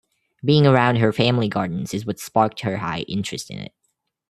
Being around her family gardens is what sparked her high interest in it.